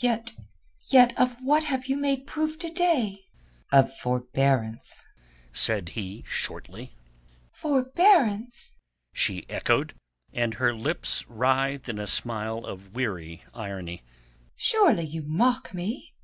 Yet... yet of what have you made proof to day?" "Of forbearance," said he shortly. "Forbearance?" she echoed, and her lips writhed in a smile of weary irony. "Surely you mock me!"